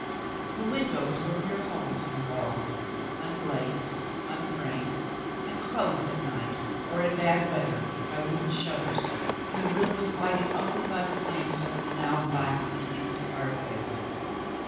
The windows w^ere mere holes in the walls, unglazed, unframed, and closed at night or in bad weather by wooden shutters, when the room was lighted only by the flames from the now black and empty fireplace.